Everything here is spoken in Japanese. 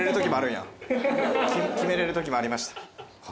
決めれるときもありました。